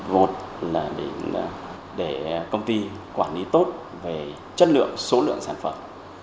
một là để công ty quản lý tốt về chất lượng số lượng sản phẩm